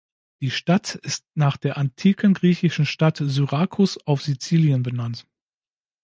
Die Stadt ist nach der antiken griechischen Stadt Syrakus auf Sizilien benannt.